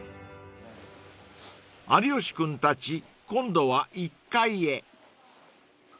［有吉君たち今度は１階へ］